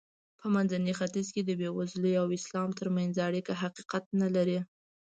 په منځني ختیځ کې د بېوزلۍ او اسلام ترمنځ اړیکه حقیقت نه لري.